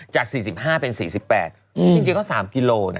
จาก๔๕เป็น๔๘จริงก็๓กิโลนะ